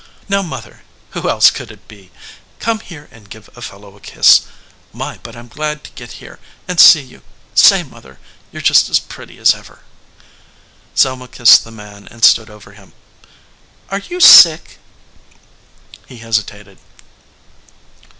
"Now, mother, who else could it be? Come here and give a fellow a kiss. My, but I m glad to get here, and see you. Say, mother, you re just as pretty as ever." Selma kissed the man and stood over him. "Are you sick?" He hesitated.